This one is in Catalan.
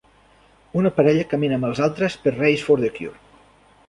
Una parella camina amb els altres per Race for the Cure.